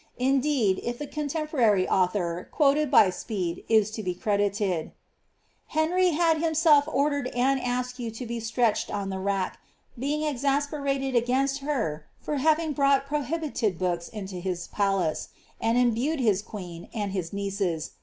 Indeed, if the contemporary author, quoted by Speed, is to be credited, ^^ Henry had himself ordered Anne Askew to be stretched on the rack, being exasperated against her for having brought prohibited books into his palace, and imbued his queen, and his nieces.